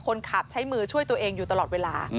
คนขับใช้มือช่วยตัวเองอยู่ตลอดเวลา